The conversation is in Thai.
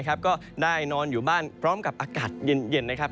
ก็ได้นอนอยู่บ้านพร้อมกับอากาศเย็นนะครับ